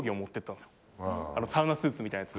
サウナスーツみたいなやつ。